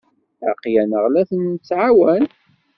Aql-aneɣ la ten-nettɛawan.